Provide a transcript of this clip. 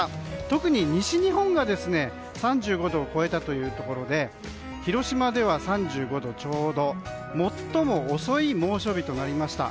特に西日本が３５度を超えたというところで広島では３５度ちょうど最も遅い猛暑日となりました。